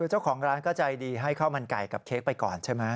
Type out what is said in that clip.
เจ้าของร้านก็ใจดีให้ข้าวมันไก่กับเค้กไปก่อนใช่ไหม